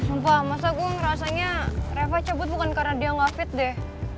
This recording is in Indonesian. umpah masa gue ngerasanya reva cabut bukan karena dia nggak fit deh